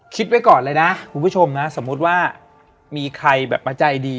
คิดไว้ก่อนเลยนะคุณผู้ชมนะสมมุติว่ามีใครแบบปัจจัยดี